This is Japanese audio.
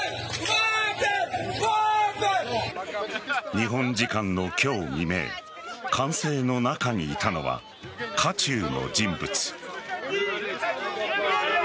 日本時間の今日未明歓声の中にいたのは渦中の人物。